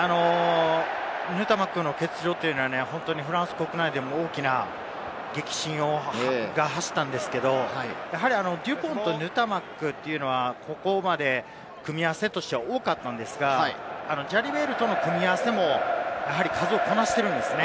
ヌタマックの欠場というのは本当にフランス国内でも多く激震が走ったんですけれど、やはりデュポンとヌタマックというのは、ここまで組み合わせとしては多かったんですが、ジャリベールとの組み合わせもやはり数をこなしているんですよね。